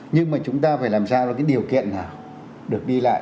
nhưng mà chúng ta phải làm sao để điều kiện nào được đi lại